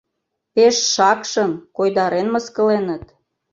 Пеш шакшын, койдарен мыскыленыт!